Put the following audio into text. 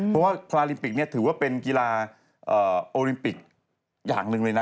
เพราะว่าพาราลิมปิกเนี่ยถือว่าเป็นกีฬาโอลิมปิกอย่างหนึ่งเลยนะ